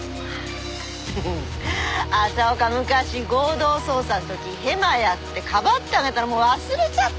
フフフ朝岡昔合同捜査の時ヘマやってかばってあげたのもう忘れちゃったんだ。